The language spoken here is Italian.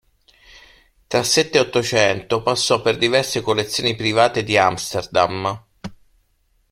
Tra Sette e Ottocento passò per diverse collezioni private di Amsterdam.